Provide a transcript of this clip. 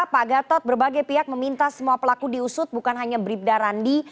pak gatot berbagai pihak meminta semua pelaku diusut bukan hanya bribda randi